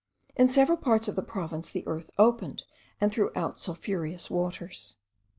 In several parts of the province the earth opened, and threw out sulphureous waters.